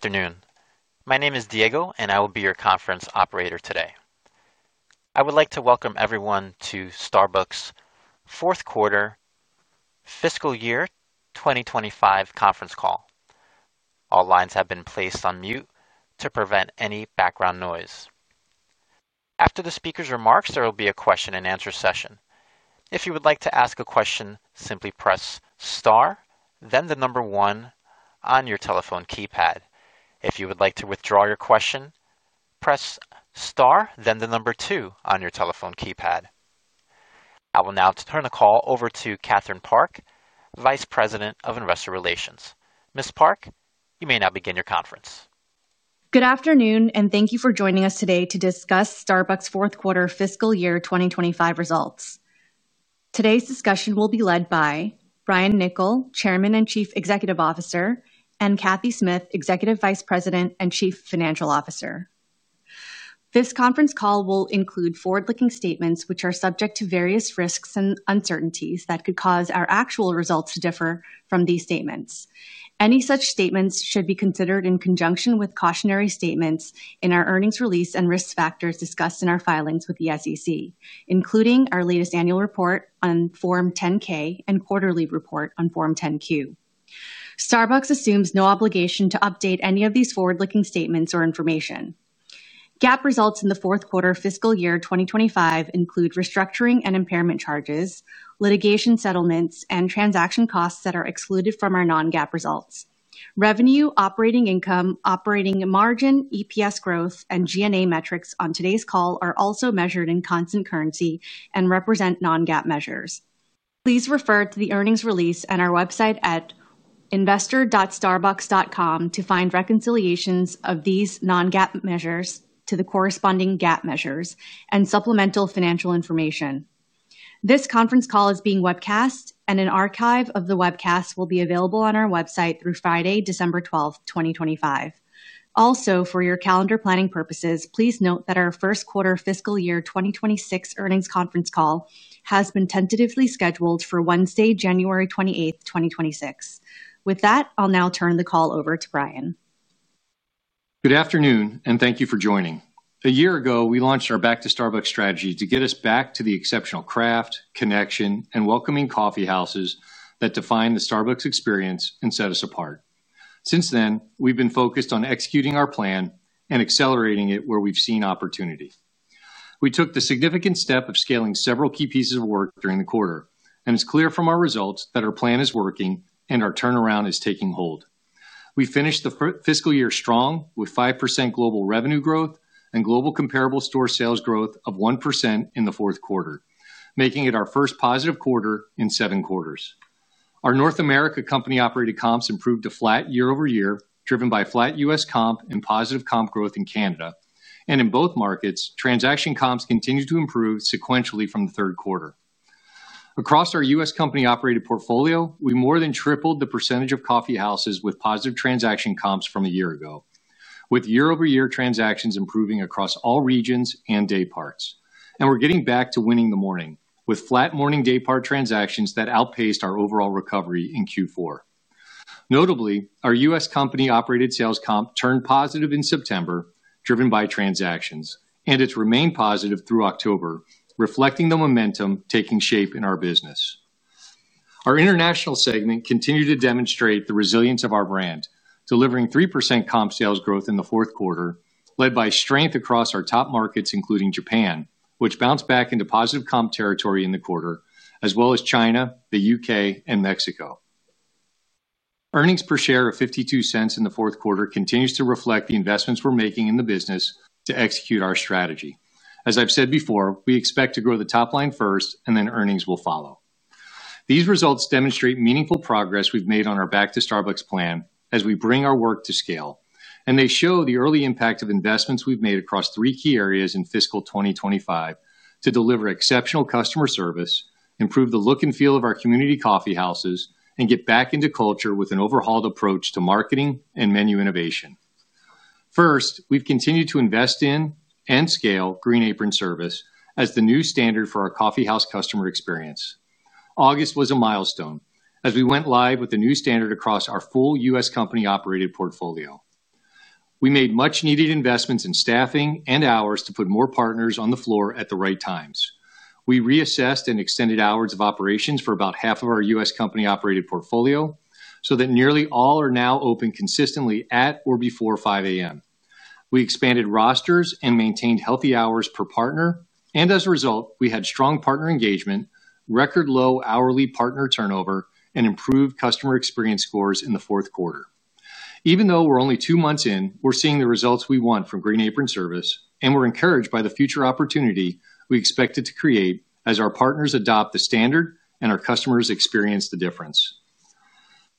Good afternoon. My name is Diego, and I will be your conference operator today. I would like to welcome everyone to Starbucks' fourth quarter fiscal year 2025 conference call. All lines have been placed on mute to prevent any background noise. After the speaker's remarks, there will be a question-and-answer session. If you would like to ask a question, simply press star, then the number one on your telephone keypad. If you would like to withdraw your question, press star, then the number two on your telephone keypad. I will now turn the call over to Catherine Park, Vice President of Investor Relations. Ms. Park, you may now begin your conference. Good afternoon, and thank you for joining us today to discuss Starbucks' fourth quarter fiscal year 2025 results. Today's discussion will be led by Brian Niccol, Chairman and Chief Executive Officer, and Cathy Smith, Executive Vice President and Chief Financial Officer. This conference call will include forward-looking statements, which are subject to various risks and uncertainties that could cause our actual results to differ from these statements. Any such statements should be considered in conjunction with cautionary statements in our earnings release and risk factors discussed in our filings with the SEC, including our latest annual report on Form 10-K and quarterly report on Form 10-Q. Starbucks assumes no obligation to update any of these forward-looking statements or information. GAAP results in the fourth quarter fiscal year 2025 include restructuring and impairment charges, litigation settlements, and transaction costs that are excluded from our non-GAAP results. Revenue, operating income, operating margin, EPS growth, and G&A metrics on today's call are also measured in constant currency and represent non-GAAP measures. Please refer to the earnings release and our website at investor.starbucks.com to find reconciliations of these non-GAAP measures to the corresponding GAAP measures and supplemental financial information. This conference call is being webcast, and an archive of the webcast will be available on our website through Friday, December 12, 2025. Also, for your calendar planning purposes, please note that our first quarter fiscal year 2026 earnings conference call has been tentatively scheduled for Wednesday, January 28, 2026. With that, I'll now turn the call over to Brian. Good afternoon, and thank you for joining. A year ago, we launched our Back to Starbucks strategy to get us back to the exceptional craft, connection, and welcoming coffee houses that defined the Starbucks experience and set us apart. Since then, we've been focused on executing our plan and accelerating it where we've seen opportunity. We took the significant step of scaling several key pieces of work during the quarter, and it's clear from our results that our plan is working and our turnaround is taking hold. We finished the fiscal year strong with 5% global revenue growth and global comparable store sales growth of 1% in the fourth quarter, making it our first positive quarter in seven quarters. Our North America company-operated comps improved to flat year-over-year, driven by flat U.S. comp and positive comp growth in Canada. In both markets, transaction comps continued to improve sequentially from the third quarter. Across our U.S. company-operated portfolio, we more than tripled the percentage of coffee houses with positive transaction comps from a year ago, with year-over-year transactions improving across all regions and dayparts. We're getting back to winning the morning, with flat morning daypart transactions that outpaced our overall recovery in Q4. Notably, our U.S. company-operated sales comp turned positive in September, driven by transactions, and it's remained positive through October, reflecting the momentum taking shape in our business. Our international segment continued to demonstrate the resilience of our brand, delivering 3% comp sales growth in the fourth quarter, led by strength across our top markets, including Japan, which bounced back into positive comp territory in the quarter, as well as China, the U.K., and Mexico. Earnings per share of $0.52 in the fourth quarter continues to reflect the investments we're making in the business to execute our strategy. As I've said before, we expect to grow the top line first, and then earnings will follow. These results demonstrate meaningful progress we've made on our Back to Starbucks plan as we bring our work to scale, and they show the early impact of investments we've made across three key areas in fiscal 2025 to deliver exceptional customer service, improve the look and feel of our community coffee houses, and get back into culture with an overhauled approach to marketing and menu innovation. First, we've continued to invest in and scale Green Apron Service as the new standard for our coffee house customer experience. August was a milestone as we went live with the new standard across our full U.S. company-operated portfolio. We made much-needed investments in staffing and hours to put more partners on the floor at the right times. We reassessed and extended hours of operations for about half of our U.S. company-operated portfolio so that nearly all are now open consistently at or before 5:00 A.M. We expanded rosters and maintained healthy hours per partner, and as a result, we had strong partner engagement, record low hourly partner turnover, and improved customer experience scores in the fourth quarter. Even though we're only two months in, we're seeing the results we want from Green Apron Service, and we're encouraged by the future opportunity we expect it to create as our partners adopt the standard and our customers experience the difference.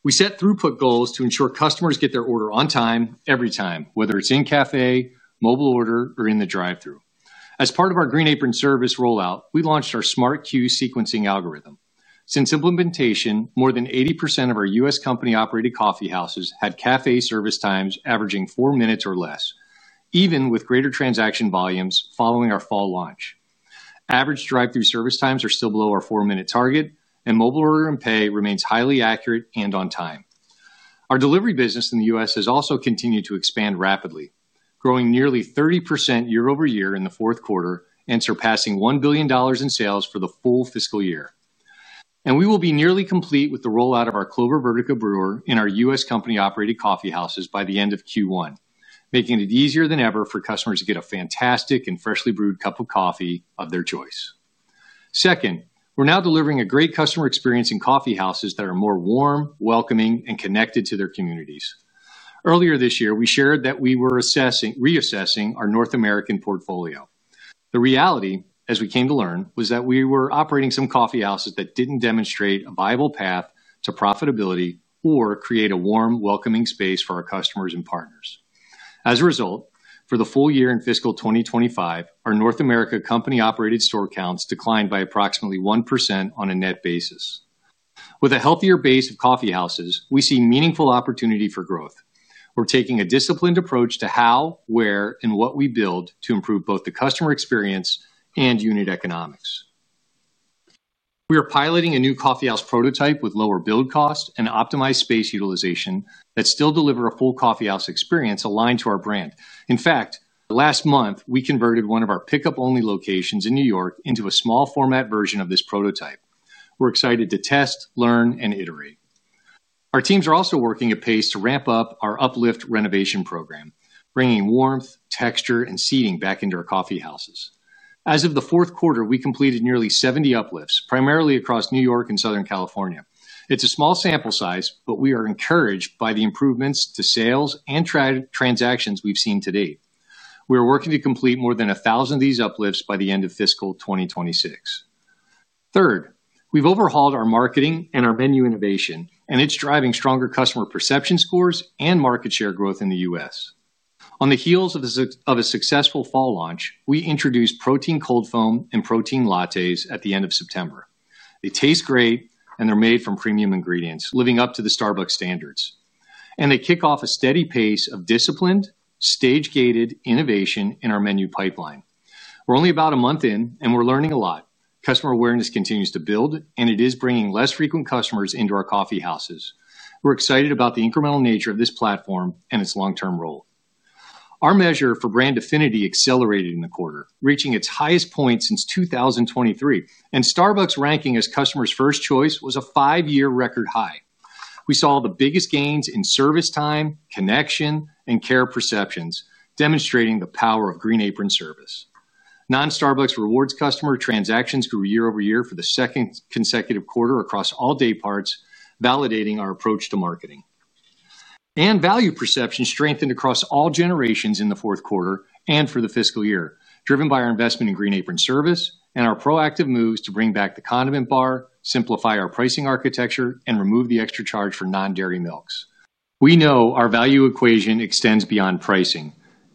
We set throughput goals to ensure customers get their order on time every time, whether it's in cafe, mobile order, or in the drive-thru. As part of our Green Apron Service rollout, we launched our SmartQ sequencing algorithm. Since implementation, more than 80% of our U.S. company-operated coffee houses had cafe service times averaging four minutes or less, even with greater transaction volumes following our fall launch. Average drive-thru service times are still below our four-minute target, and mobile order and pay remains highly accurate and on time. Our delivery business in the U.S. has also continued to expand rapidly, growing nearly 30% year-over-year in the fourth quarter and surpassing $1 billion in sales for the full fiscal year. We will be nearly complete with the rollout of our Clover Vertica brewer in our U.S. company-operated coffee houses by the end of Q1, making it easier than ever for customers to get a fantastic and freshly brewed cup of coffee of their choice. Second, we're now delivering a great customer experience in coffee houses that are more warm, welcoming, and connected to their communities. Earlier this year, we shared that we were reassessing our North American portfolio. The reality, as we came to learn, was that we were operating some coffee houses that didn't demonstrate a viable path to profitability or create a warm, welcoming space for our customers and partners. As a result, for the full year in fiscal 2025, our North America company-operated store counts declined by approximately 1% on a net basis. With a healthier base of coffee houses, we see meaningful opportunity for growth. We're taking a disciplined approach to how, where, and what we build to improve both the customer experience and unit economics. We are piloting a new coffee house prototype with lower build cost and optimized space utilization that still delivers a full coffee house experience aligned to our brand. In fact, last month, we converted one of our pickup-only locations in New York into a small format version of this prototype. We're excited to test, learn, and iterate. Our teams are also working at pace to ramp up our uplift renovation program, bringing warmth, texture, and seating back into our coffee houses. As of the fourth quarter, we completed nearly 70 uplifts, primarily across New York and Southern California. It's a small sample size, but we are encouraged by the improvements to sales and transactions we've seen to date. We are working to complete more than a thousand of these uplifts by the end of fiscal 2026. Third, we've overhauled our marketing and our menu innovation, and it's driving stronger customer perception scores and market share growth in the U.S. On the heels of a successful fall launch, we introduced Protein Cold Foam and Protein Lattes at the end of September. They taste great, and they're made from premium ingredients, living up to the Starbucks standards. They kick off a steady pace of disciplined, stage-gated innovation in our menu pipeline. We're only about a month in, and we're learning a lot. Customer awareness continues to build, and it is bringing less frequent customers into our coffee houses. We're excited about the incremental nature of this platform and its long-term role. Our measure for brand affinity accelerated in the quarter, reaching its highest point since 2023, and Starbucks' ranking as customer's first choice was a five-year record high. We saw the biggest gains in service time, connection, and care perceptions, demonstrating the power of Green Apron Service. Non-Starbucks Rewards customer transactions grew year-over-year for the second consecutive quarter across all dayparts, validating our approach to marketing. Value perception strengthened across all generations in the fourth quarter and for the fiscal year, driven by our investment in Green Apron Service and our proactive moves to bring back the condiment bar, simplify our pricing architecture, and remove the extra charge for non-dairy milks. We know our value equation extends beyond pricing,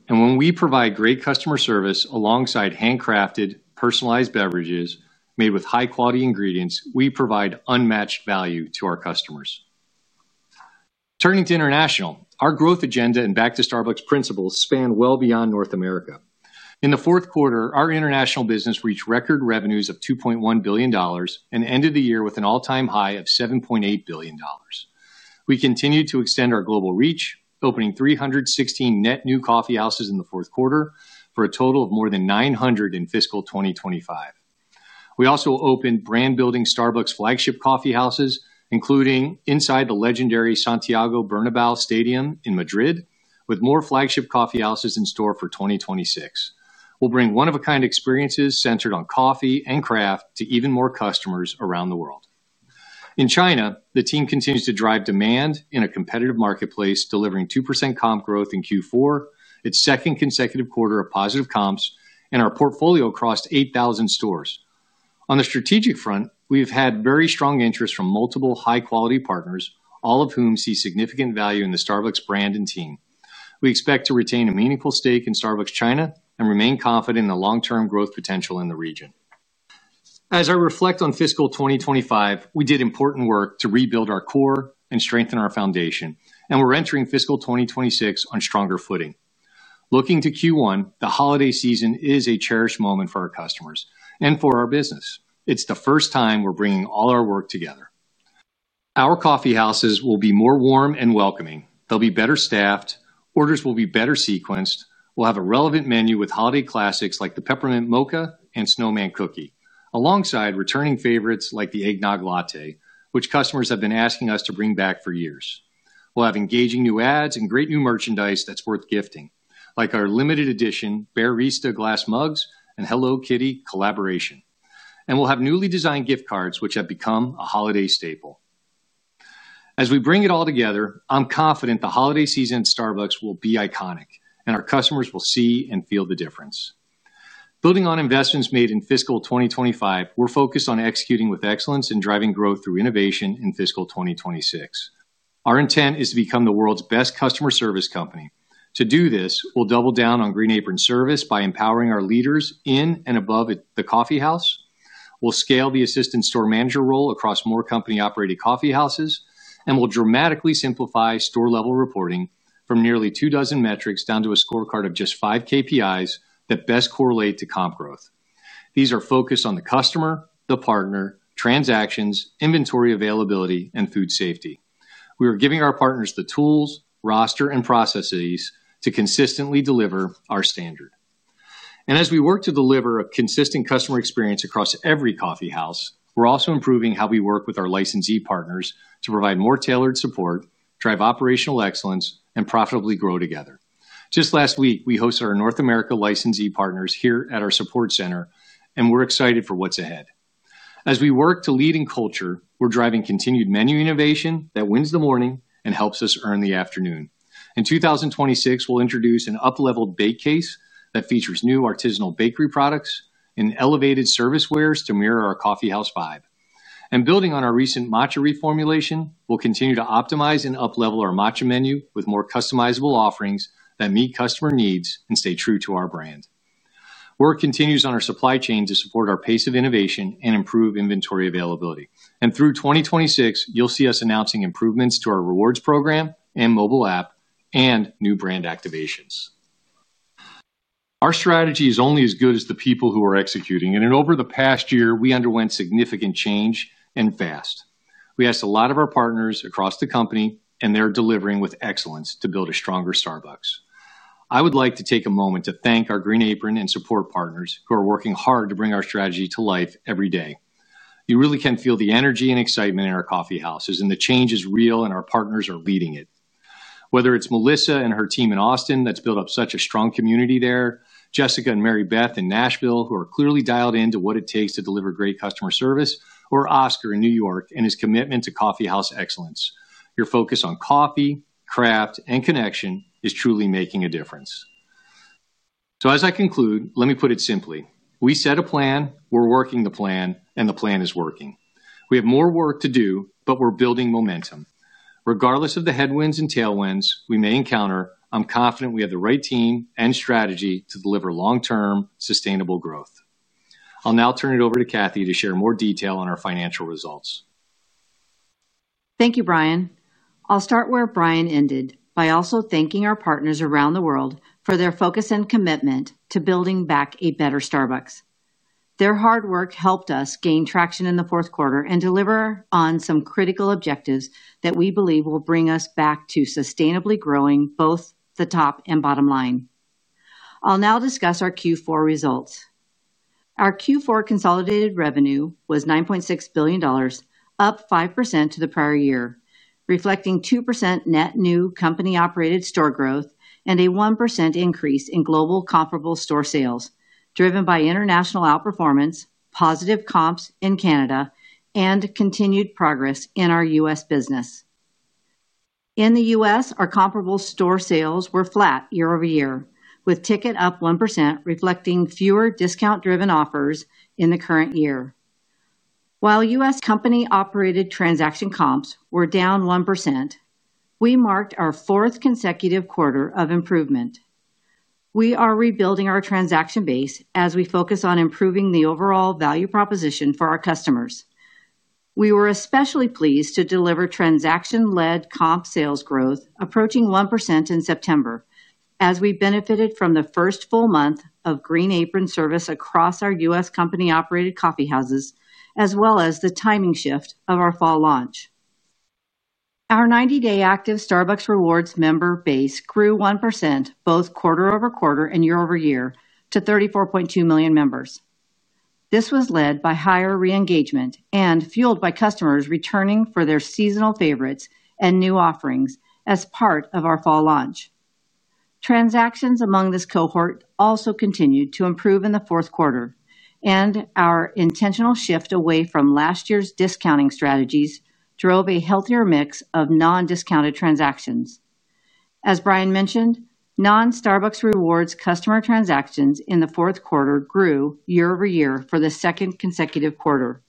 and when we provide great customer service alongside handcrafted, personalized beverages made with high-quality ingredients, we provide unmatched value to our customers. Turning to international, our growth agenda and Back to Starbucks principles span well beyond North America. In the fourth quarter, our international business reached record revenues of $2.1 billion and ended the year with an all-time high of $7.8 billion. We continued to extend our global reach, opening 316 net new coffee houses in the fourth quarter for a total of more than 900 in fiscal 2025. We also opened brand-building Starbucks flagship coffee houses, including inside the legendary Santiago Bernabéu Stadium in Madrid, with more flagship coffee houses in store for 2026. We will bring one-of-a-kind experiences centered on coffee and craft to even more customers around the world. In China, the team continues to drive demand in a competitive marketplace, delivering 2% comp growth in Q4, its second consecutive quarter of positive comps, and our portfolio across 8,000 stores. On the strategic front, we have had very strong interest from multiple high-quality partners, all of whom see significant value in the Starbucks brand and team. We expect to retain a meaningful stake in Starbucks China and remain confident in the long-term growth potential in the region. As I reflect on fiscal 2025, we did important work to rebuild our core and strengthen our foundation, and we are entering fiscal 2026 on stronger footing. Looking to Q1, the holiday season is a cherished moment for our customers and for our business. It is the first time we are bringing all our work together. Our coffee houses will be more warm and welcoming. They will be better staffed. Orders will be better sequenced. We will have a relevant menu with holiday classics like the Peppermint Mocha and snowman cookie, alongside returning favorites like the eggnog latte, which customers have been asking us to bring back for years. We will have engaging new ads and great new merchandise that is worth gifting, like our limited edition Barista glass mugs and Hello Kitty collaboration. We will have newly designed gift cards, which have become a holiday staple. As we bring it all together, I'm confident the holiday season at Starbucks will be iconic, and our customers will see and feel the difference. Building on investments made in fiscal 2025, we're focused on executing with excellence and driving growth through innovation in fiscal 2026. Our intent is to become the world's best customer service company. To do this, we'll double down on Green Apron Service by empowering our leaders in and above the coffee house. We'll scale the assistant store manager role across more company-operated coffee houses, and we'll dramatically simplify store-level reporting from nearly two dozen metrics down to a scorecard of just five KPIs that best correlate to comp growth. These are focused on the customer, the partner, transactions, inventory availability, and food safety. We are giving our partners the tools, roster, and processes to consistently deliver our standard. As we work to deliver a consistent customer experience across every coffee house, we're also improving how we work with our licensee partners to provide more tailored support, drive operational excellence, and profitably grow together. Just last week, we hosted our North America licensee partners here at our support center, and we're excited for what's ahead. As we work to lead in culture, we're driving continued menu innovation that wins the morning and helps us earn the afternoon. In 2026, we'll introduce an up-leveled bake case that features new artisanal bakery products and elevated service wares to mirror our coffee house vibe. Building on our recent Matcha reformulation, we'll continue to optimize and up-level our Matcha menu with more customizable offerings that meet customer needs and stay true to our brand. Work continues on our supply chain to support our pace of innovation and improve inventory availability. Through 2026, you'll see us announcing improvements to our rewards program and mobile app and new brand activations. Our strategy is only as good as the people who are executing, and over the past year, we underwent significant change and fast. We asked a lot of our partners across the company, and they're delivering with excellence to build a stronger Starbucks. I would like to take a moment to thank our Green Apron and support partners who are working hard to bring our strategy to life every day. You really can feel the energy and excitement in our coffee houses, and the change is real, and our partners are leading it. Whether it's Melissa and her team in Austin that's built up such a strong community there, Jessica and Mary Beth in Nashville, who are clearly dialed into what it takes to deliver great customer service, or Oscar in New York and his commitment to coffee house excellence. Your focus on coffee, craft, and connection is truly making a difference. As I conclude, let me put it simply. We set a plan, we're working the plan, and the plan is working. We have more work to do, but we're building momentum. Regardless of the headwinds and tailwinds we may encounter, I'm confident we have the right team and strategy to deliver long-term, sustainable growth. I'll now turn it over to Cathy to share more detail on our financial results. Thank you, Brian. I'll start where Brian ended by also thanking our partners around the world for their focus and commitment to building back a better Starbucks. Their hard work helped us gain traction in the fourth quarter and deliver on some critical objectives that we believe will bring us back to sustainably growing both the top and bottom line. I'll now discuss our Q4 results. Our Q4 consolidated revenue was $9.6 billion, up 5% to the prior year, reflecting 2% net new company-operated store growth and a 1% increase in global comparable store sales, driven by international outperformance, positive comps in Canada, and continued progress in our U.S. business. In the U.S., our comparable store sales were flat year-over-year, with ticket up 1%, reflecting fewer discount-driven offers in the current year. While U.S. company-operated transaction comps were down 1%, we marked our fourth consecutive quarter of improvement. We are rebuilding our transaction base as we focus on improving the overall value proposition for our customers. We were especially pleased to deliver transaction-led comp sales growth approaching 1% in September, as we benefited from the first full month of Green Apron Service across our U.S. company-operated coffee houses, as well as the timing shift of our fall launch. Our 90-day active Starbucks Rewards member base grew 1% both quarter over quarter and year-over-year to 34.2 million members. This was led by higher re-engagement and fueled by customers returning for their seasonal favorites and new offerings as part of our fall launch. Transactions among this cohort also continued to improve in the fourth quarter, and our intentional shift away from last year's discounting strategies drove a healthier mix of non-discounted transactions. As Brian mentioned, Non-Starbucks Rewards customer transactions in the fourth quarter grew year-over-year for the second consecutive quarter.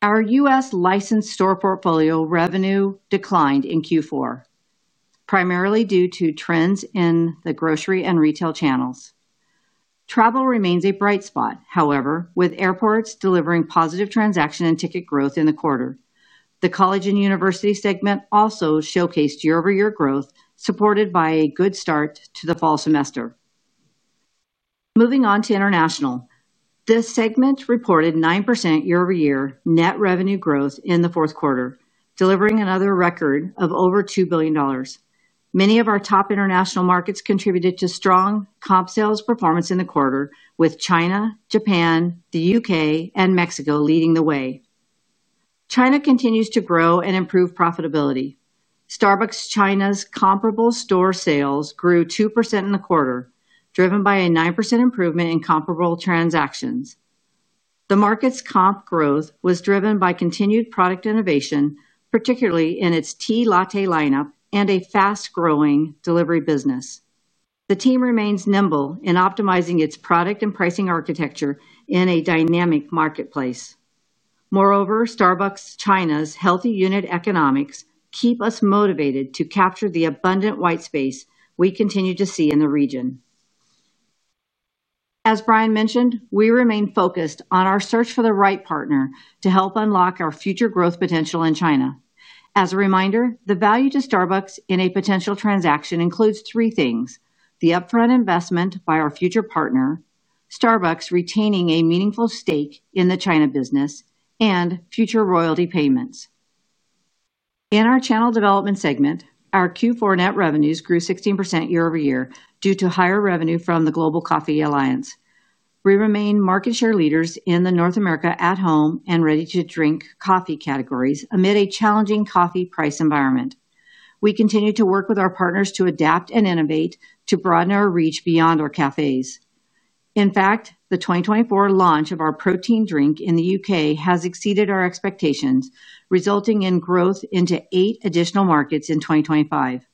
Our U.S. licensed store portfolio revenue declined in Q4, primarily due to trends in the grocery and retail channels. Travel remains a bright spot, however, with airports delivering positive transaction and ticket growth in the quarter. The college and university segment also showcased year-over-year growth, supported by a good start to the fall semester. Moving on to international, this segment reported 9% year-over-year net revenue growth in the fourth quarter, delivering another record of over $2 billion. Many of our top international markets contributed to strong comp sales performance in the quarter, with China, Japan, the U.K., and Mexico leading the way. China continues to grow and improve profitability. Starbucks China's comparable store sales grew 2% in the quarter, driven by a 9% improvement in comparable transactions. The market's comp growth was driven by continued product innovation, particularly in its tea latte lineup and a fast-growing delivery business. The team remains nimble in optimizing its product and pricing architecture in a dynamic marketplace. Moreover, Starbucks China's healthy unit economics keep us motivated to capture the abundant white space we continue to see in the region. As Brian mentioned, we remain focused on our search for the right partner to help unlock our future growth potential in China. As a reminder, the value to Starbucks in a potential transaction includes three things: the upfront investment by our future partner, Starbucks retaining a meaningful stake in the China business, and future royalty payments. In our channel development segment, our Q4 net revenues grew 16% year-over-year due to higher revenue from the Global Coffee Alliance. We remain market share leaders in the North America at-home and ready-to-drink coffee categories amid a challenging coffee price environment. We continue to work with our partners to adapt and innovate to broaden our reach beyond our cafes. In fact, the 2024 launch of our protein drink in the U.K. has exceeded our expectations, resulting in growth into eight additional markets in 2025.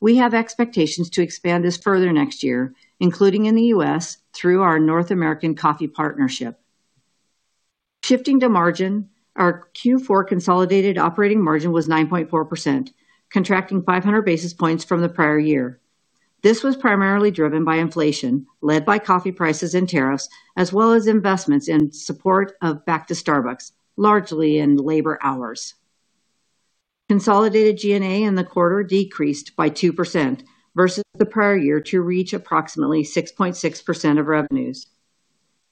We have expectations to expand this further next year, including in the U.S., through our North American Coffee Partnership. Shifting to margin, our Q4 consolidated operating margin was 9.4%, contracting 500 basis points from the prior year. This was primarily driven by inflation, led by coffee prices and tariffs, as well as investments in support of Back to Starbucks, largely in labor hours. Consolidated G&A in the quarter decreased by 2% versus the prior year to reach approximately 6.6% of revenues.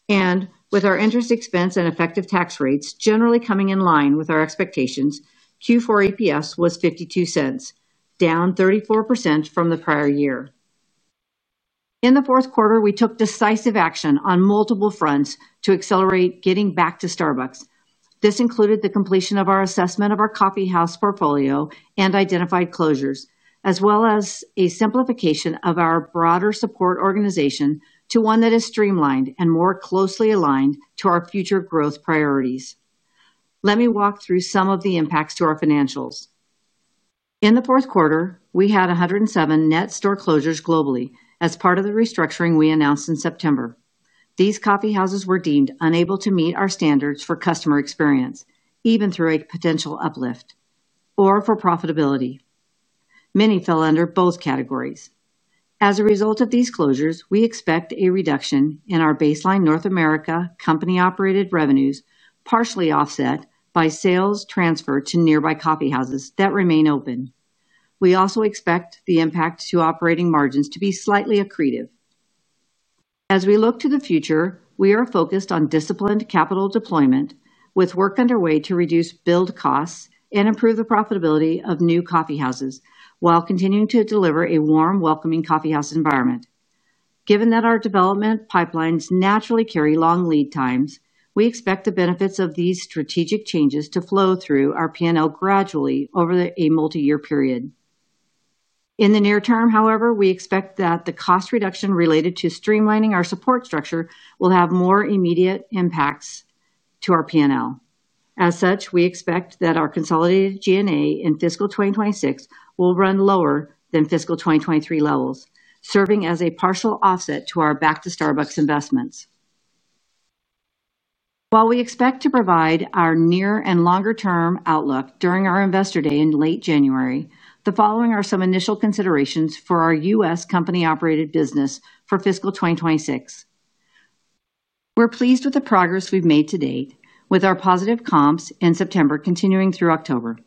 With our interest expense and effective tax rates generally coming in line with our expectations, Q4 EPS was $0.52, down 34% from the prior year. In the fourth quarter, we took decisive action on multiple fronts to accelerate getting back to Starbucks. This included the completion of our assessment of our coffee house portfolio and identified closures, as well as a simplification of our broader support organization to one that is streamlined and more closely aligned to our future growth priorities. Let me walk through some of the impacts to our financials. In the fourth quarter, we had 107 net store closures globally as part of the restructuring we announced in September. These coffee houses were deemed unable to meet our standards for customer experience, even through a potential uplift, or for profitability. Many fell under both categories. As a result of these closures, we expect a reduction in our baseline North America company-operated revenues, partially offset by sales transferred to nearby coffee houses that remain open. We also expect the impact to operating margins to be slightly accretive. As we look to the future, we are focused on disciplined capital deployment, with work underway to reduce build costs and improve the profitability of new coffee houses, while continuing to deliver a warm, welcoming coffee house environment. Given that our development pipelines naturally carry long lead times, we expect the benefits of these strategic changes to flow through our P&L gradually over a multi-year period. In the near term, however, we expect that the cost reduction related to streamlining our support structure will have more immediate impacts to our P&L. As such, we expect that our consolidated G&A in fiscal 2026 will run lower than fiscal 2023 levels, serving as a partial offset to our Back to Starbucks investments. While we expect to provide our near and longer-term outlook during our investor day in late January, the following are some initial considerations for our U.S. company-operated business for fiscal 2026. We're pleased with the progress we've made to date, with our positive comps in September continuing through October.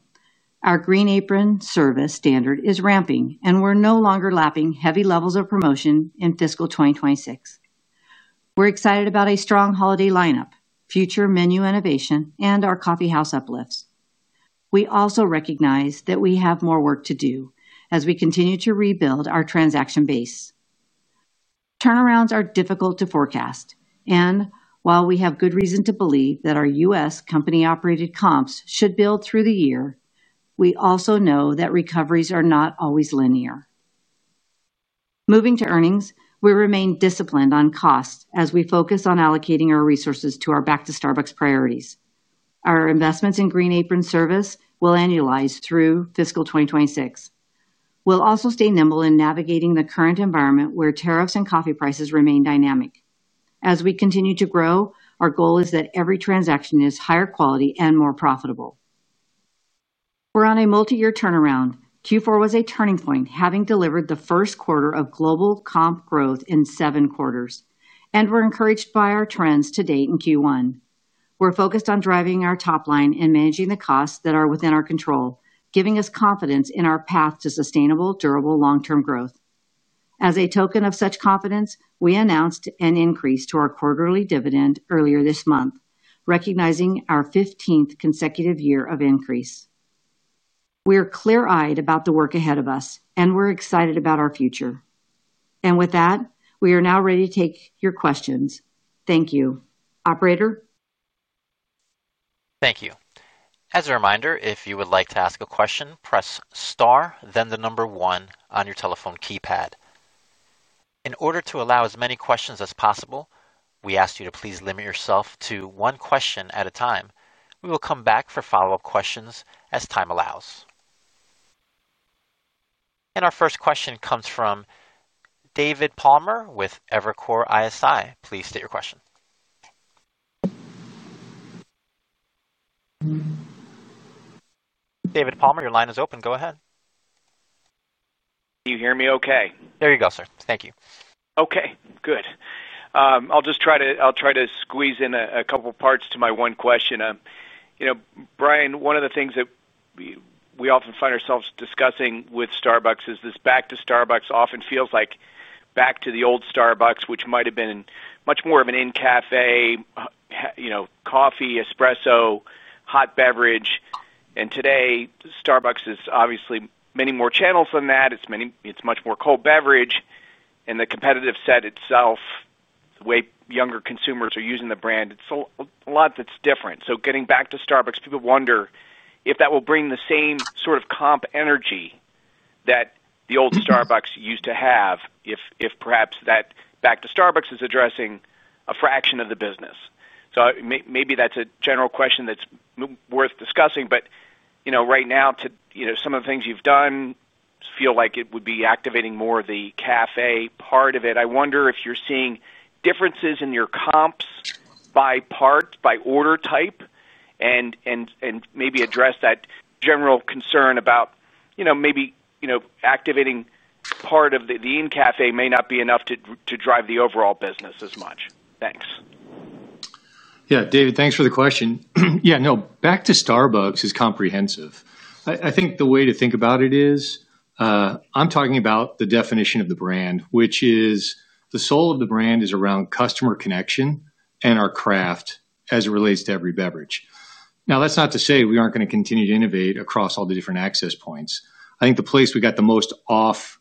Our Green Apron Service standard is ramping, and we're no longer lapping heavy levels of promotion in fiscal 2026. We're excited about a strong holiday lineup, future menu innovation, and our coffee house uplifts. We also recognize that we have more work to do as we continue to rebuild our transaction base. Turnarounds are difficult to forecast, and while we have good reason to believe that our U.S. Company-operated comps should build through the year. We also know that recoveries are not always linear. Moving to earnings, we remain disciplined on costs as we focus on allocating our resources to our Back to Starbucks priorities. Our investments in Green Apron Service will annualize through fiscal 2026. We'll also stay nimble in navigating the current environment where tariffs and coffee prices remain dynamic. As we continue to grow, our goal is that every transaction is higher quality and more profitable. We're on a multi-year turnaround. Q4 was a turning point, having delivered the first quarter of global comp growth in seven quarters, and we're encouraged by our trends to date in Q1. We're focused on driving our top line and managing the costs that are within our control, giving us confidence in our path to sustainable, durable long-term growth. As a token of such confidence, we announced an increase to our quarterly dividend earlier this month, recognizing our 15th consecutive year of increase. We're clear-eyed about the work ahead of us, and we're excited about our future. With that, we are now ready to take your questions. Thank you. Operator? Thank you. As a reminder, if you would like to ask a question, press star, then the number one on your telephone keypad. In order to allow as many questions as possible, we ask you to please limit yourself to one question at a time. We will come back for follow-up questions as time allows. Our first question comes from David Palmer with Evercore ISI. Please state your question. David Palmer, your line is open. Go ahead. Can you hear me okay? There you go, sir. Thank you. Okay. Good. I'll just try to squeeze in a couple parts to my one question. You know, Brian, one of the things that we often find ourselves discussing with Starbucks is this Back to Starbucks often feels like back to the old Starbucks, which might have been much more of an in-cafe, you know, coffee, espresso, hot beverage. Today, Starbucks is obviously many more channels than that. It's much more cold beverage. The competitive set itself, the way younger consumers are using the brand, it's a lot that's different. Getting back to Starbucks, people wonder if that will bring the same sort of comp energy that the old Starbucks used to have, if perhaps that Back to Starbucks is addressing a fraction of the business. Maybe that's a general question that's worth discussing. Right now, to some of the things you've done feel like it would be activating more of the cafe part of it. I wonder if you're seeing differences in your comps by part, by order type, and maybe address that general concern about, you know, maybe activating part of the in-cafe may not be enough to drive the overall business as much. Thanks. Yeah, David, thanks for the question. Back to Starbucks is comprehensive. I think the way to think about it is, I'm talking about the definition of the brand, which is the soul of the brand is around customer connection and our craft as it relates to every beverage. That's not to say we aren't going to continue to innovate across all the different access points. I think the place we got the most off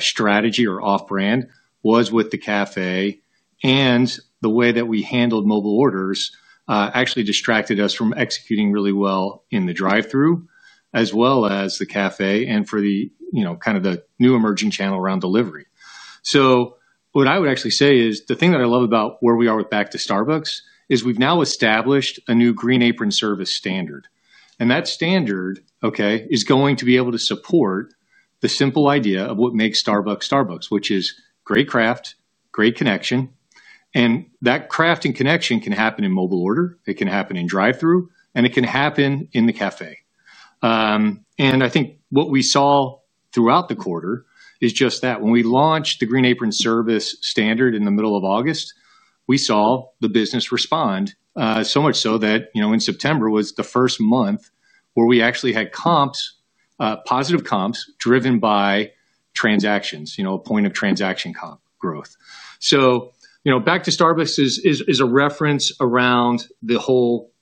strategy or off brand was with the cafe, and the way that we handled mobile orders actually distracted us from executing really well in the drive-thru, as well as the cafe and for the new emerging channel around delivery. What I would actually say is the thing that I love about where we are with Back to Starbucks is we've now established a new Green Apron Service standard. That standard is going to be able to support the simple idea of what makes Starbucks Starbucks, which is great craft, great connection. That craft and connection can happen in mobile order, it can happen in drive-thru, and it can happen in the cafe. I think what we saw throughout the quarter is just that when we launched the Green Apron Service standard in the middle of August, we saw the business respond so much so that in September was the first month where we actually had comps, positive comps driven by transactions, a point of transaction comp growth. Back to Starbucks is a reference around the whole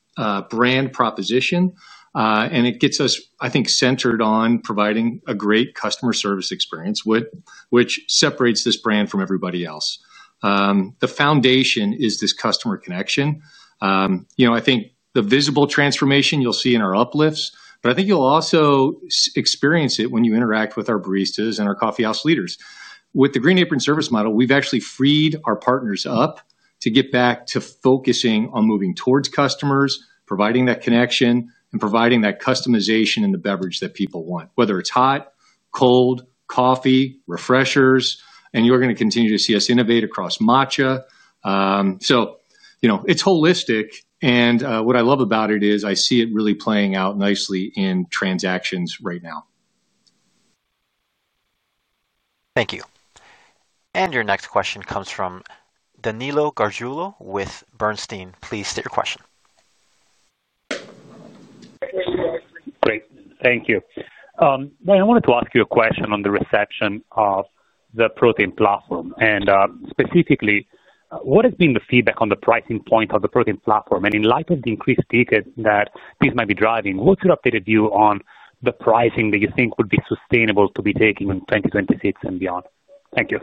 brand proposition, and it gets us centered on providing a great customer service experience, which separates this brand from everybody else. The foundation is this customer connection. I think the visible transformation you'll see in our uplifts, but I think you'll also experience it when you interact with our baristas and our coffee house leaders. With the Green Apron Service model, we've actually freed our partners up to get back to focusing on moving towards customers, providing that connection, and providing that customization in the beverage that people want, whether it's hot, cold, coffee, refreshers, and you're going to continue to see us innovate across Matcha. It's holistic, and what I love about it is I see it really playing out nicely in transactions right now. Thank you. Your next question comes from Danilo Gargiulo with Bernstein. Please state your question. Great. Thank you. Brian, I wanted to ask you a question on the reception of the Protein Platform, and specifically, what has been the feedback on the pricing point of the Protein Platform? In light of the increased tickets that these might be driving, what's your updated view on the pricing that you think would be sustainable to be taking in 2026 and beyond? Thank you.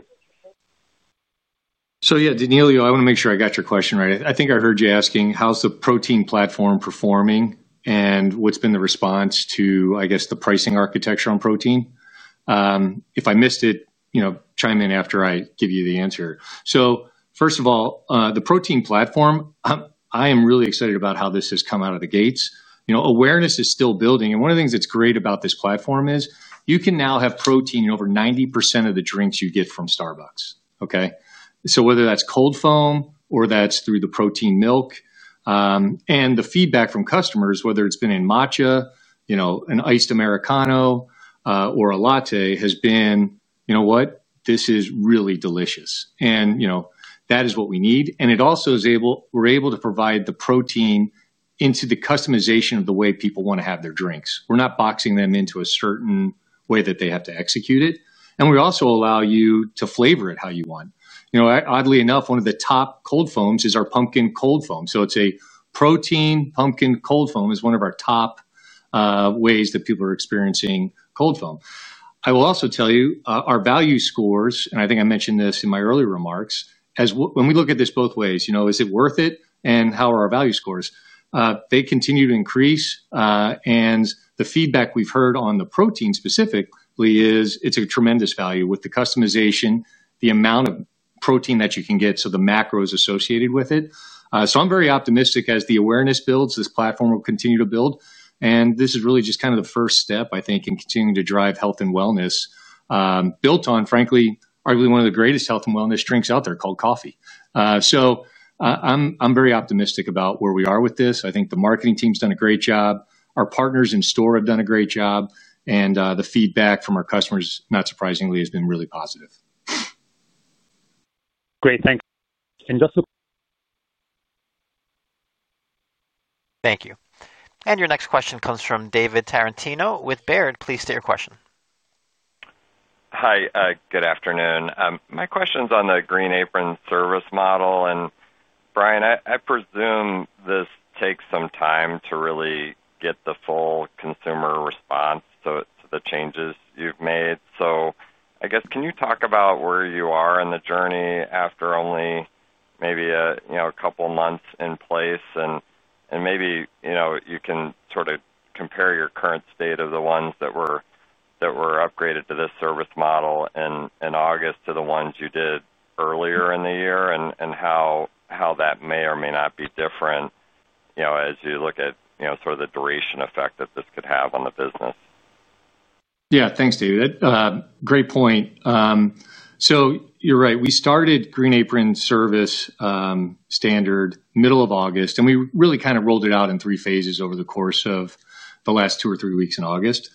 Danilo, I want to make sure I got your question right. I think I heard you asking, how's the Protein Platform performing and what's been the response to, I guess, the pricing architecture on Protein? If I missed it, chime in after I give you the answer. First of all, the Protein Platform, I am really excited about how this has come out of the gates. Awareness is still building, and one of the things that's great about this platform is you can now have Protein in over 90% of the drinks you get from Starbucks. Whether that's cold foam or that's through the protein milk, the feedback from customers, whether it's been in Matcha, an iced Americano, or a latte, has been, you know what, this is really delicious. That is what we need. It also is able, we're able to provide the protein into the customization of the way people want to have their drinks. We're not boxing them into a certain way that they have to execute it. We also allow you to flavor it how you want. Oddly enough, one of the top cold foams is our Pumpkin Cold Foam. A Protein Pumpkin Cold Foam is one of our top ways that people are experiencing cold foam. I will also tell you, our value scores, and I think I mentioned this in my earlier remarks, as when we look at this both ways, is it worth it and how are our value scores? They continue to increase, and the feedback we've heard on the protein specifically is it's a tremendous value with the customization, the amount of protein that you can get, so the macros associated with it. I am very optimistic as the awareness builds, this platform will continue to build, and this is really just kind of the first step, I think, in continuing to drive health and wellness, built on, frankly, arguably one of the greatest health and wellness drinks out there called coffee. I am very optimistic about where we are with this. I think the marketing team's done a great job. Our partners in store have done a great job, and the feedback from our customers, not surprisingly, has been really positive. Great, thanks. Just a quick. Thank you. Your next question comes from David Tarantino with Baird. Please state your question. Hi, good afternoon. My question's on the Green Apron Service model, and Brian, I presume this takes some time to really get the full consumer response to the changes you've made. Can you talk about where you are in the journey after only maybe a couple months in place? Maybe you can sort of compare your current state of the ones that were upgraded to this service model in August to the ones you did earlier in the year and how that may or may not be different, as you look at the duration effect that this could have on the business. Yeah, thanks, David. Great point. You're right. We started Green Apron Service standard middle of August, and we really kind of rolled it out in three phases over the course of the last two or three weeks in August.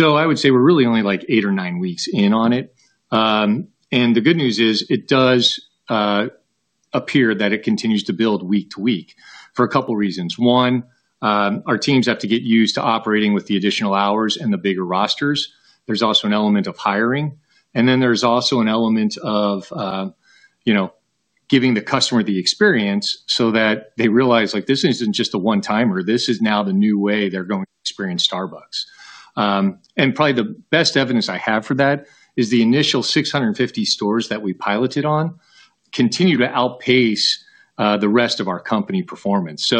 I would say we're really only like eight or nine weeks in on it. The good news is it does appear that it continues to build week to week for a couple reasons. One, our teams have to get used to operating with the additional hours and the bigger rosters. There's also an element of hiring. There's also an element of, you know, giving the customer the experience so that they realize like this isn't just a one-timer. This is now the new way they're going to experience Starbucks. Probably the best evidence I have for that is the initial 650 stores that we piloted on continue to outpace the rest of our company performance.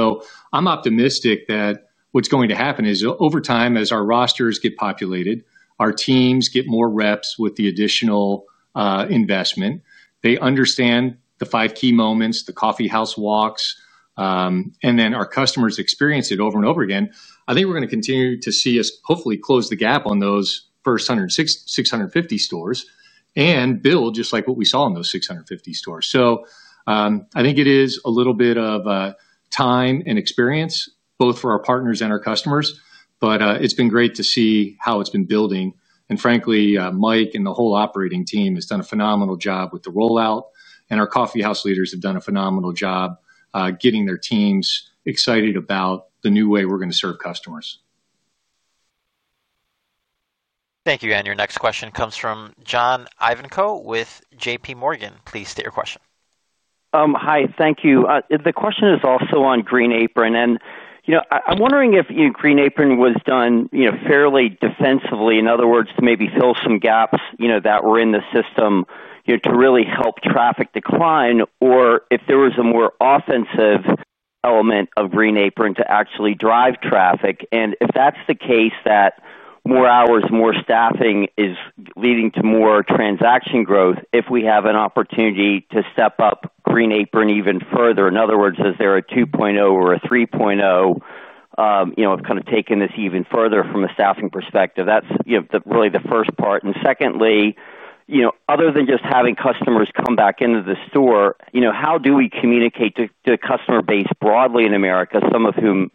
I'm optimistic that what's going to happen is over time, as our rosters get populated, our teams get more reps with the additional investment, they understand the five key moments, the coffee house walks, and then our customers experience it over and over again. I think we're going to continue to see us hopefully close the gap on those first 650 stores and build just like what we saw in those 650 stores. I think it is a little bit of time and experience both for our partners and our customers, but it's been great to see how it's been building. Frankly, Mike and the whole operating team has done a phenomenal job with the rollout, and our coffee house leaders have done a phenomenal job getting their teams excited about the new way we're going to serve customers. Thank you. Your next question comes from John Ivankoe with JPMorgan. Please state your question. Hi, thank you. The question is also on Green Apron. I'm wondering if Green Apron was done fairly defensively, in other words, to maybe fill some gaps that were in the system to really help traffic decline, or if there was a more offensive element of Green Apron to actually drive traffic. If that's the case, that more hours, more staffing is leading to more transaction growth, if we have an opportunity to step up Green Apron even further. In other words, is there a 2.0 or a 3.0? I've kind of taken this even further from a staffing perspective. That's really the first part. Secondly, other than just having customers come back into the store, how do we communicate to the customer base broadly in America, some of whom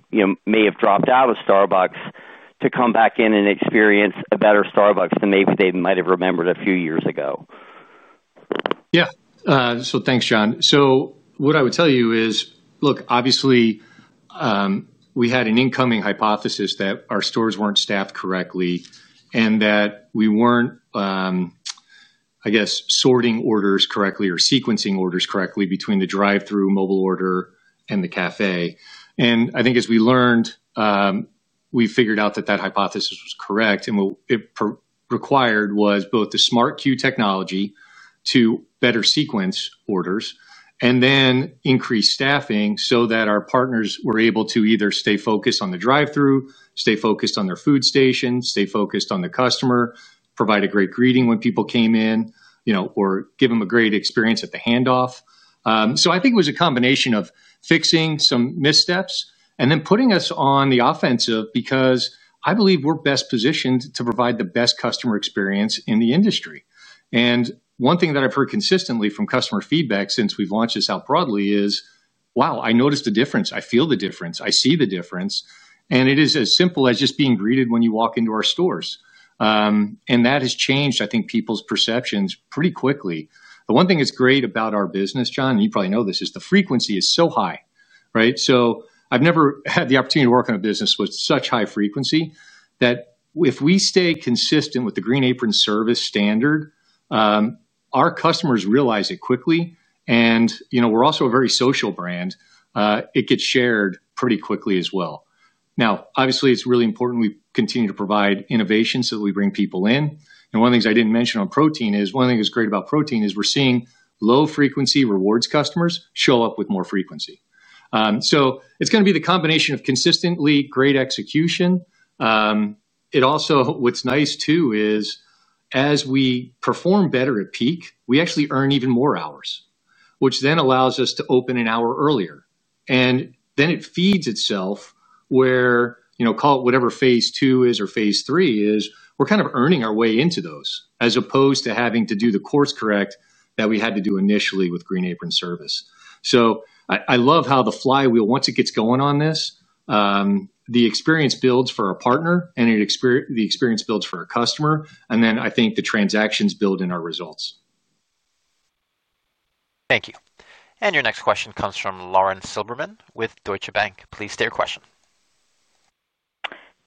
may have dropped out of Starbucks, to come back in and experience a better Starbucks than maybe they might have remembered a few years ago? Yeah. Thanks, John. What I would tell you is, look, obviously, we had an incoming hypothesis that our stores weren't staffed correctly and that we weren't, I guess, sorting orders correctly or sequencing orders correctly between the drive-thru, mobile order, and the cafe. I think as we learned, we figured out that that hypothesis was correct, and what it required was both the SmartQ technology to better sequence orders and then increase staffing so that our partners were able to either stay focused on the drive-thru, stay focused on their food station, stay focused on the customer, provide a great greeting when people came in, or give them a great experience at the handoff. I think it was a combination of fixing some missteps and then putting us on the offensive because I believe we're best positioned to provide the best customer experience in the industry. One thing that I've heard consistently from customer feedback since we've launched this out broadly is, wow, I noticed the difference. I feel the difference. I see the difference. It is as simple as just being greeted when you walk into our stores. That has changed, I think, people's perceptions pretty quickly. The one thing that's great about our business, John, and you probably know this, is the frequency is so high. Right? I've never had the opportunity to work in a business with such high frequency that if we stay consistent with the Green Apron Service standard, our customers realize it quickly. You know, we're also a very social brand. It gets shared pretty quickly as well. Obviously, it's really important we continue to provide innovation so that we bring people in. One of the things I didn't mention on protein is one thing that's great about protein is we're seeing low-frequency rewards customers show up with more frequency. It's going to be the combination of consistently great execution. What's nice too is as we perform better at peak, we actually earn even more hours, which then allows us to open an hour earlier. It feeds itself where, you know, call it whatever phase two is or phase three is, we're kind of earning our way into those as opposed to having to do the course correct that we had to do initially with Green Apron Service. I love how the flywheel, once it gets going on this, the experience builds for our partner and the experience builds for our customer. I think the transactions build in our results. Thank you. Your next question comes from Lauren Silberman with Deutsche Bank. Please state your question.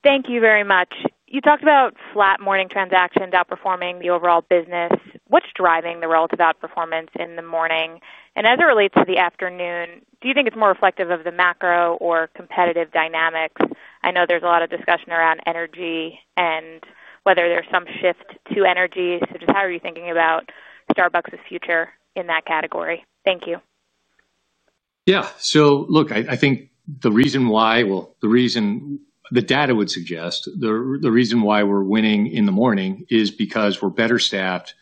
Thank you very much. You talked about flat morning transactions outperforming the overall business. What's driving the relative outperformance in the morning? As it relates to the afternoon, do you think it's more reflective of the macro or competitive dynamics? I know there's a lot of discussion around energy and whether there's some shift to energy. Just how are you thinking about Starbucks' future in that category? Thank you. Yeah. I think the reason why, the reason the data would suggest the reason why we're winning in the morning is because we're better staffed,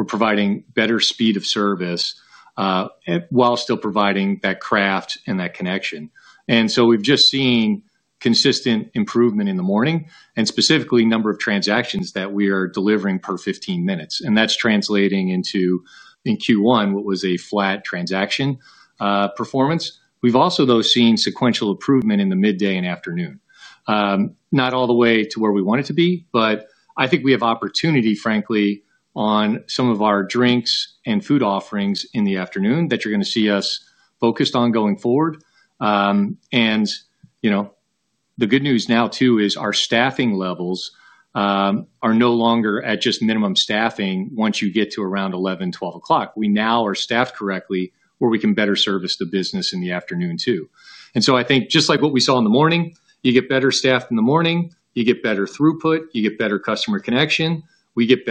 we're providing better speed of service, while still providing that craft and that connection. We've just seen consistent improvement in the morning and specifically the number of transactions that we are delivering per 15 minutes. That's translating into in Q1 what was a flat transaction performance. We've also seen sequential improvement in the midday and afternoon. Not all the way to where we want it to be, but I think we have opportunity, frankly, on some of our drinks and food offerings in the afternoon that you're going to see us focused on going forward. The good news now too is our staffing levels are no longer at just minimum staffing once you get to around 11:00 A.M., 12:00 P.M. We now are staffed correctly where we can better service the business in the afternoon too. I think just like what we saw in the morning, you get better staffed in the morning, you get better throughput, you get better customer connection, we get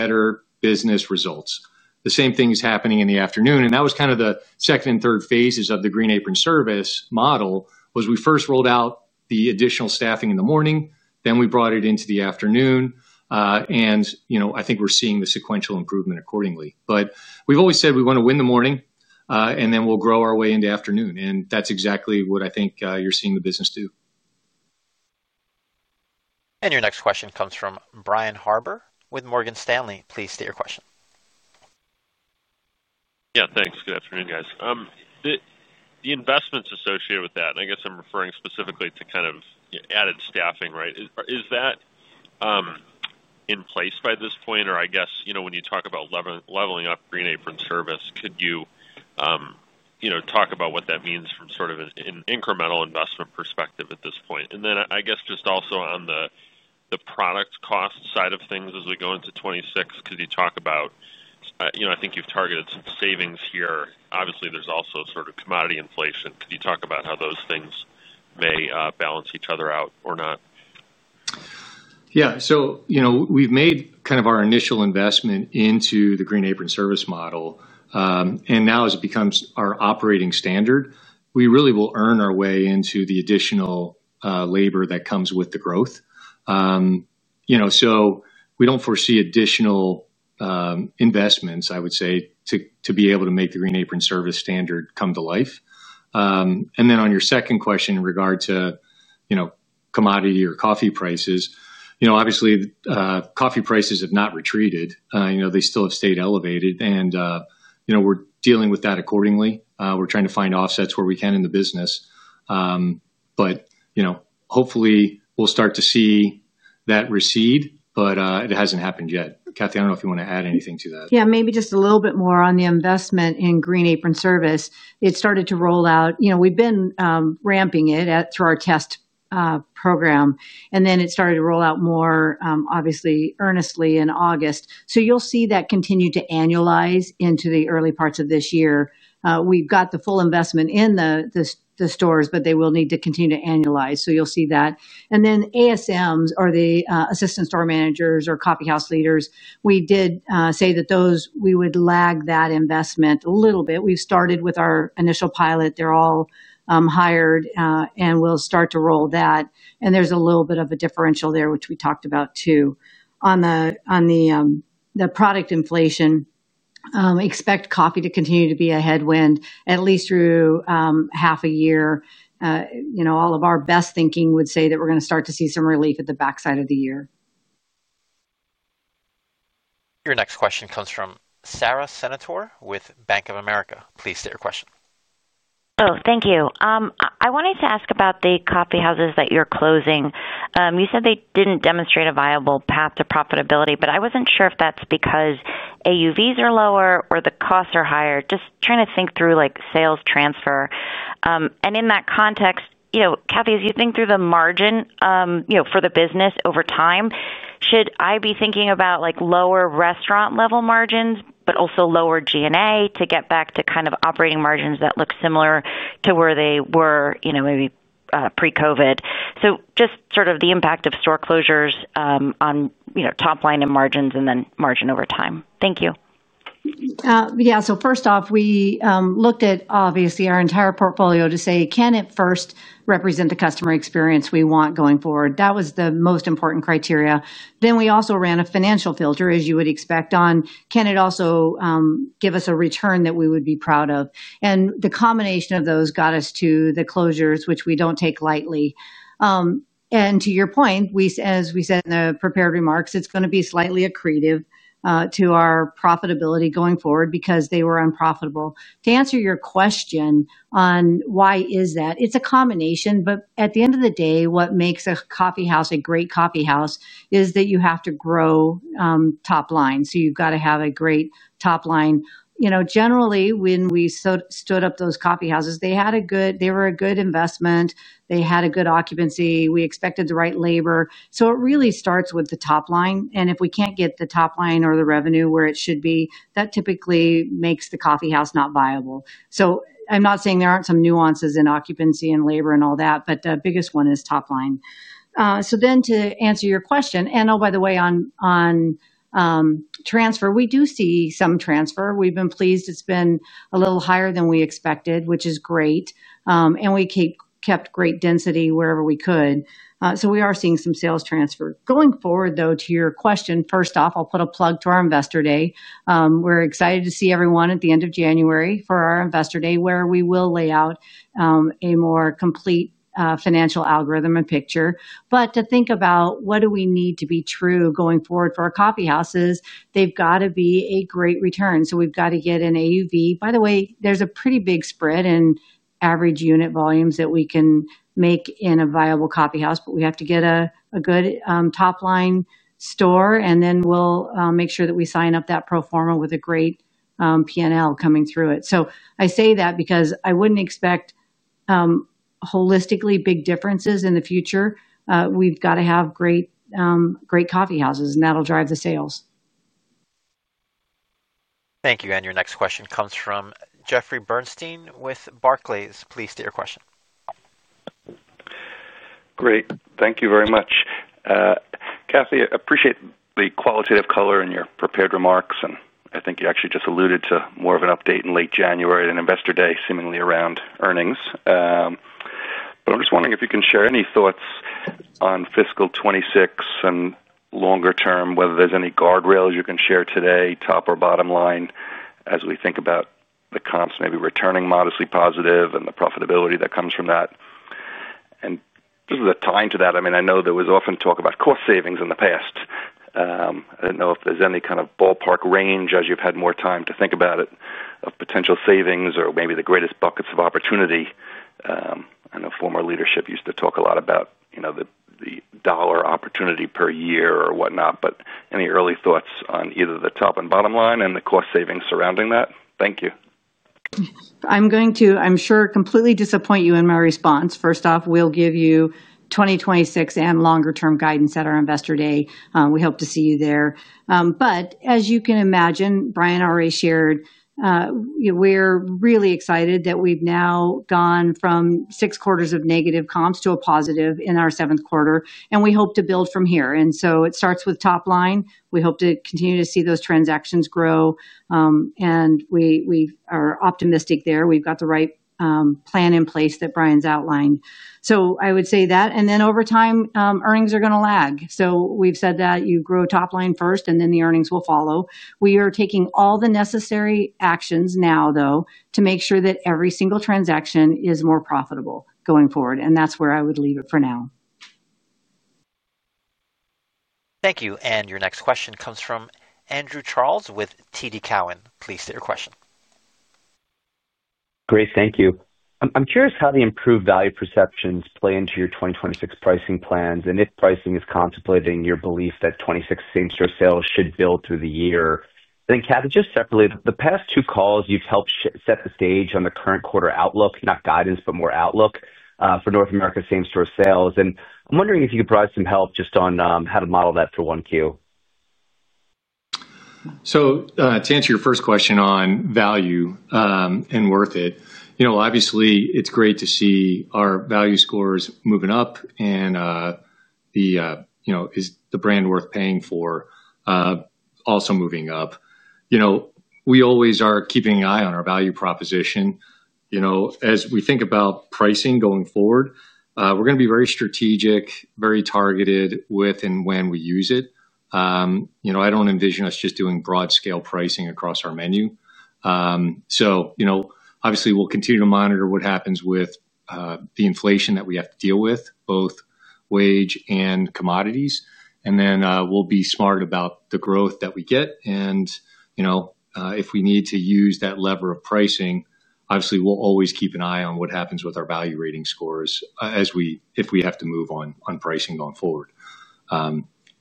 better business results. The same thing is happening in the afternoon. That was kind of the second and third phases of the Green Apron Service model. We first rolled out the additional staffing in the morning, then we brought it into the afternoon. I think we're seeing the sequential improvement accordingly. We've always said we want to win the morning and then we'll grow our way into afternoon. That's exactly what I think you're seeing the business do. Your next question comes from Brian Harbour with Morgan Stanley. Please state your question. Yeah, thanks. Good afternoon, guys. The investments associated with that, and I guess I'm referring specifically to kind of added staffing, right? Is that in place by this point? When you talk about leveling up Green Apron Service, could you talk about what that means from sort of an incremental investment perspective at this point? I guess just also on the product cost side of things as we go into 2026, could you talk about, you know, I think you've targeted some savings here. Obviously, there's also sort of commodity inflation. Could you talk about how those things may balance each other out or not? Yeah. We've made kind of our initial investment into the Green Apron Service model. Now as it becomes our operating standard, we really will earn our way into the additional labor that comes with the growth. We don't foresee additional investments, I would say, to be able to make the Green Apron Service standard come to life. On your second question in regard to commodity or coffee prices, obviously, coffee prices have not retreated. They still have stayed elevated, and we're dealing with that accordingly. We're trying to find offsets where we can in the business. Hopefully, we'll start to see that recede, but it hasn't happened yet. Cathy, I don't know if you want to add anything to that. Maybe just a little bit more on the investment in Green Apron Service. It started to roll out, you know, we've been ramping it through our test program. It started to roll out more, obviously, earnestly in August. You'll see that continue to annualize into the early parts of this year. We've got the full investment in the stores, but they will need to continue to annualize. You'll see that. ASMs, or the assistant store managers, or coffee house leaders, we did say that those we would lag that investment a little bit. We've started with our initial pilot. They're all hired and will start to roll that. There's a little bit of a differential there, which we talked about too. On the product inflation, expect coffee to continue to be a headwind, at least through half a year. All of our best thinking would say that we're going to start to see some relief at the backside of the year. Your next question comes from Sara Senatore with Bank of America. Please state your question. Oh, thank you. I wanted to ask about the coffee houses that you're closing. You said they didn't demonstrate a viable path to profitability, but I wasn't sure if that's because AUVs are lower or the costs are higher. Just trying to think through like sales transfer. In that context, Cathy, as you think through the margin for the business over time, should I be thinking about like lower restaurant level margins, but also lower G&A to get back to kind of operating margins that look similar to where they were, maybe pre-COVID? Just sort of the impact of store closures on top line and margins and then margin over time. Thank you. Yeah, first off, we looked at obviously our entire portfolio to say, can it first represent the customer experience we want going forward? That was the most important criteria. We also ran a financial filter, as you would expect, on can it also give us a return that we would be proud of? The combination of those got us to the closures, which we don't take lightly. To your point, as we said in the prepared remarks, it's going to be slightly accretive to our profitability going forward because they were unprofitable. To answer your question on why is that, it's a combination, but at the end of the day, what makes a coffee house a great coffee house is that you have to grow top line. You've got to have a great top line. Generally, when we stood up those coffee houses, they were a good investment. They had a good occupancy. We expected the right labor. It really starts with the top line. If we can't get the top line or the revenue where it should be, that typically makes the coffee house not viable. I'm not saying there aren't some nuances in occupancy and labor and all that, but the biggest one is top line. To answer your question, by the way, on transfer, we do see some transfer. We've been pleased. It's been a little higher than we expected, which is great. We kept great density wherever we could. We are seeing some sales transfer. Going forward, to your question, first off, I'll put a plug to our investor day. We're excited to see everyone at the end of January for our investor day, where we will lay out a more complete financial algorithm and picture. To think about what do we need to be true going forward for our coffee houses, they've got to be a great return. We've got to get an AUV. By the way, there's a pretty big spread in average unit volumes that we can make in a viable coffee house, but we have to get a good top line store, and then we'll make sure that we sign up that pro forma with a great P&L coming through it. I say that because I wouldn't expect holistically big differences in the future. We've got to have great coffee houses, and that'll drive the sales. Thank you. Your next question comes from Jeffrey Bernstein with Barclays. Please state your question. Great. Thank you very much. Cathy, I appreciate the qualitative color in your prepared remarks, and I think you actually just alluded to more of an update in late January and investor day seemingly around earnings. I'm just wondering if you can share any thoughts on fiscal 2026 and longer term, whether there's any guardrails you can share today, top or bottom line, as we think about the comps maybe returning modestly positive and the profitability that comes from that. Just to tie into that, I know there was often talk about cost savings in the past. I don't know if there's any kind of ballpark range, as you've had more time to think about it, of potential savings or maybe the greatest buckets of opportunity. I know former leadership used to talk a lot about, you know, the dollar opportunity per year or whatnot, but any early thoughts on either the top and bottom line and the cost savings surrounding that? Thank you. I'm sure I'll completely disappoint you in my response. First off, we'll give you 2026 and longer-term guidance at our investor day. We hope to see you there. As you can imagine, Brian already shared, we're really excited that we've now gone from six quarters of negative comps to a positive in our seventh quarter, and we hope to build from here. It starts with top line. We hope to continue to see those transactions grow, and we are optimistic there. We've got the right plan in place that Brian's outlined. I would say that, and then over time, earnings are going to lag. We've said that you grow top line first, and then the earnings will follow. We are taking all the necessary actions now to make sure that every single transaction is more profitable going forward, and that's where I would leave it for now. Thank you. Your next question comes from Andrew Charles with TD Cowen. Please state your question. Great, thank you. I'm curious how the improved value perceptions play into your 2026 pricing plans, and if pricing is contemplating your belief that 2026 same-store sales should build through the year. I think, Cathy, just separately, the past two calls you've helped set the stage on the current quarter outlook, not guidance, but more outlook for North America same-store sales. I'm wondering if you could provide some help just on how to model that through one Q. To answer your first question on value and worth it, it's great to see our value scores moving up and the brand worth paying for also moving up. We always are keeping an eye on our value proposition. As we think about pricing going forward, we're going to be very strategic, very targeted with and when we use it. I don't envision us just doing broad-scale pricing across our menu. We will continue to monitor what happens with the inflation that we have to deal with, both wage and commodities. We will be smart about the growth that we get. If we need to use that lever of pricing, we will always keep an eye on what happens with our value rating scores if we have to move on pricing going forward.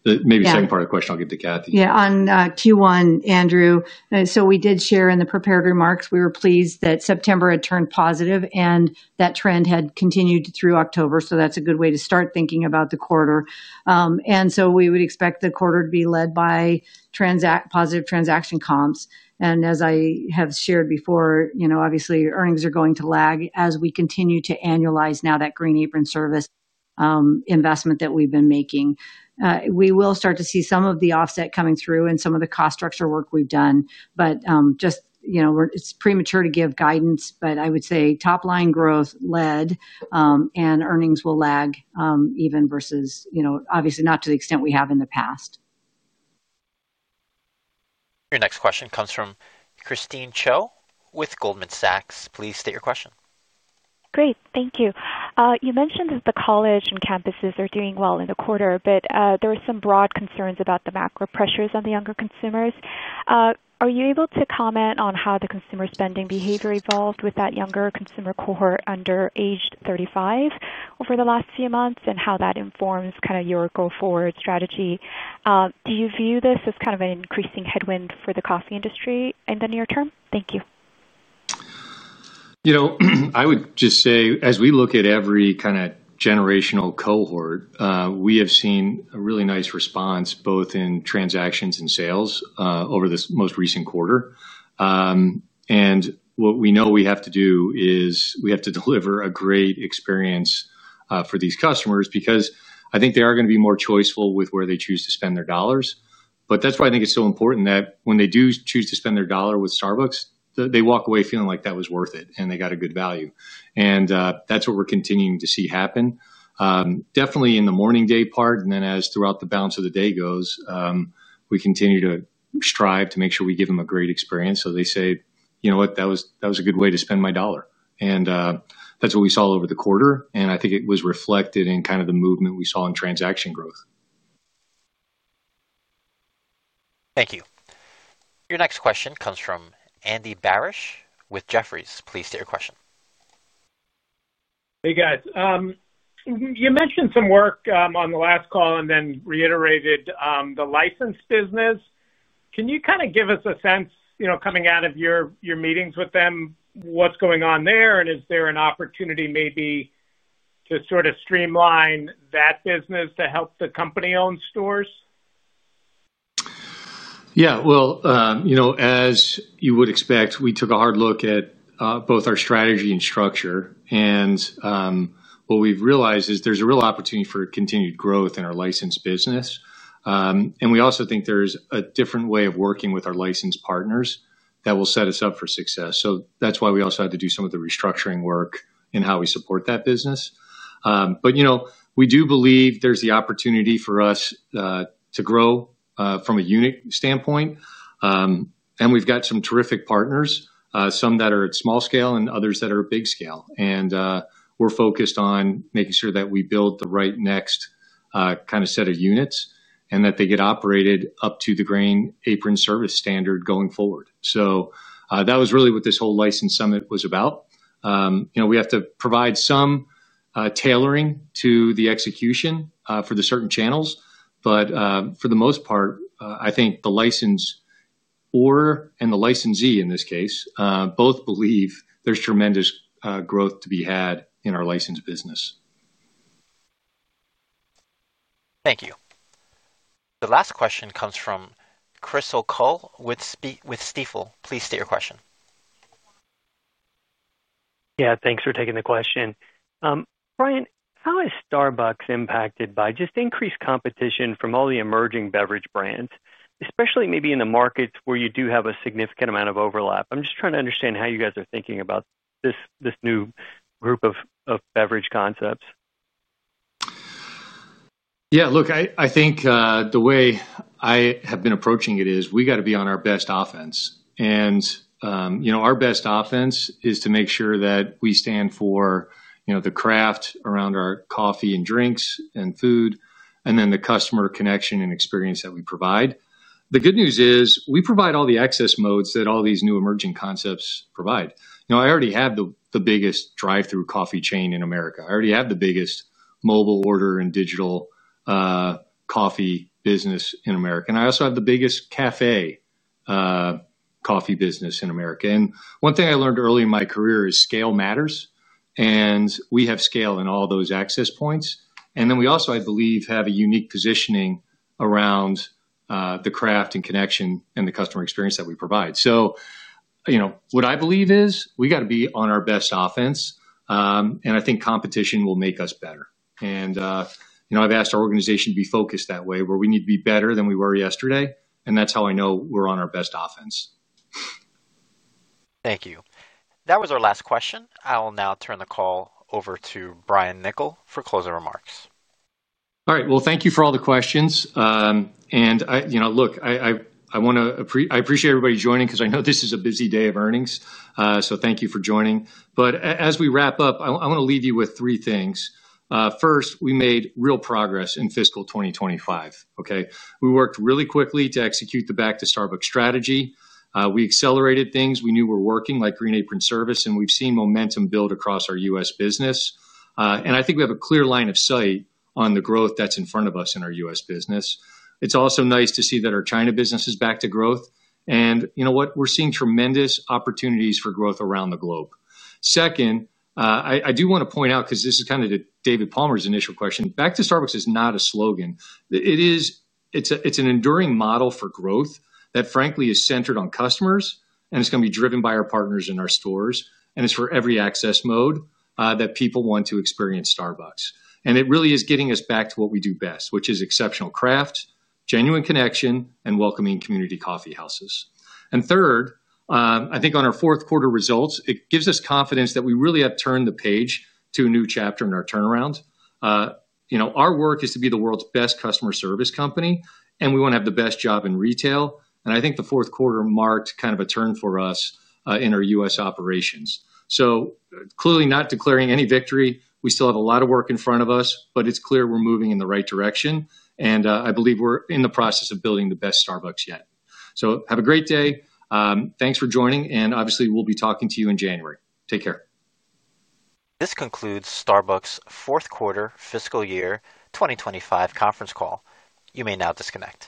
Maybe the second part of the question I'll give to Cathy. Yeah, on Q1, Andrew. We did share in the prepared remarks, we were pleased that September had turned positive and that trend had continued through October. That's a good way to start thinking about the quarter. We would expect the quarter to be led by positive transaction comps. As I have shared before, obviously earnings are going to lag as we continue to annualize now that Green Apron Service investment that we've been making. We will start to see some of the offset coming through in some of the cost structure work we've done. It's premature to give guidance, but I would say top line growth led and earnings will lag even versus, obviously not to the extent we have in the past. Your next question comes from Christine Cho with Goldman Sachs. Please state your question. Great, thank you. You mentioned that the college and campuses are doing well in the quarter, but there were some broad concerns about the macro pressures on the younger consumers. Are you able to comment on how the consumer spending behavior evolved with that younger consumer cohort under age 35 over the last few months and how that informs kind of your goal forward strategy? Do you view this as kind of an increasing headwind for the coffee industry in the near term? Thank you. I would just say as we look at every kind of generational cohort, we have seen a really nice response both in transactions and sales over this most recent quarter. What we know we have to do is we have to deliver a great experience for these customers because I think they are going to be more choiceful with where they choose to spend their dollars. That's why I think it's so important that when they do choose to spend their dollar with Starbucks, they walk away feeling like that was worth it and they got a good value. That's what we're continuing to see happen, definitely in the morning daypart, and as the balance of the day goes, we continue to strive to make sure we give them a great experience. They say, you know what, that was a good way to spend my dollar. That's what we saw over the quarter, and I think it was reflected in the movement we saw in transaction growth. Thank you. Your next question comes from Andy Barish with Jefferies. Please state your question. Hey guys, you mentioned some work on the last call and then reiterated the licensed business. Can you kind of give us a sense, you know, coming out of your meetings with them, what's going on there? Is there an opportunity maybe to sort of streamline that business to help the company-owned stores? Yeah, as you would expect, we took a hard look at both our strategy and structure. What we've realized is there's a real opportunity for continued growth in our licensed business. We also think there's a different way of working with our licensed partners that will set us up for success. That's why we also had to do some of the restructuring work in how we support that business. We do believe there's the opportunity for us to grow from a unit standpoint. We've got some terrific partners, some that are at small scale and others that are at big scale. We're focused on making sure that we build the right next kind of set of units and that they get operated up to the Green Apron Service standard going forward. That was really what this whole license summit was about. We have to provide some tailoring to the execution for the certain channels. For the most part, I think the licensor and the licensee in this case both believe there's tremendous growth to be had in our licensed business. Thank you. The last question comes from Chris O'Cull with Stifel. Please state your question. Yeah, thanks for taking the question. Brian, how is Starbucks impacted by just increased competition from all the emerging beverage brands, especially maybe in the markets where you do have a significant amount of overlap? I'm just trying to understand how you guys are thinking about this new group of beverage concepts. Yeah, look, I think the way I have been approaching it is we got to be on our best offense. Our best offense is to make sure that we stand for the craft around our coffee and drinks and food, and then the customer connection and experience that we provide. The good news is we provide all the access modes that all these new emerging concepts provide. I already have the biggest drive-thru coffee chain in the U.S. I already have the biggest mobile order and digital coffee business in the U.S. I also have the biggest cafe coffee business in the U.S. One thing I learned early in my career is scale matters. We have scale in all those access points. I also, I believe, have a unique positioning around the craft and connection and the customer experience that we provide. What I believe is we got to be on our best offense. I think competition will make us better. I've asked our organization to be focused that way where we need to be better than we were yesterday. That's how I know we're on our best offense. Thank you. That was our last question. I'll now turn the call over to Brian Niccol for closing remarks. Thank you for all the questions. I want to appreciate everybody joining because I know this is a busy day of earnings. Thank you for joining. As we wrap up, I want to leave you with three things. First, we made real progress in fiscal 2025. We worked really quickly to execute the back-to-Starbucks strategy. We accelerated things we knew were working like Green Apron Service, and we've seen momentum build across our U.S. business. I think we have a clear line of sight on the growth that's in front of us in our U.S. business. It's also nice to see that our China business is back to growth. We're seeing tremendous opportunities for growth around the globe. Second, I do want to point out, because this is kind of to David Palmer's initial question, back to Starbucks is not a slogan. It's an enduring model for growth that frankly is centered on customers, and it's going to be driven by our partners in our stores. It's for every access mode that people want to experience Starbucks. It really is getting us back to what we do best, which is exceptional craft, genuine connection, and welcoming community coffee houses. Third, I think on our fourth quarter results, it gives us confidence that we really have turned the page to a new chapter in our turnaround. Our work is to be the world's best customer service company, and we want to have the best job in retail. I think the fourth quarter marked kind of a turn for us in our U.S. operations. Clearly not declaring any victory. We still have a lot of work in front of us, but it's clear we're moving in the right direction. I believe we're in the process of building the best Starbucks yet. Have a great day. Thanks for joining. Obviously, we'll be talking to you in January. Take care. This concludes Starbucks' fourth quarter fiscal year 2025 conference call. You may now disconnect.